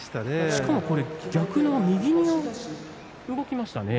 しかも逆の右に動きましたね。